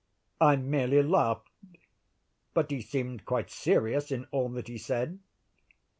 I merely laughed—but he seemed quite serious in all that he said.